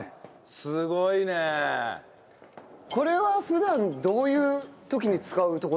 これは普段どういう時に使うとこなんですか？